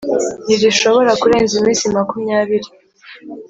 ntirishobora kurenza iminsi makumyabiri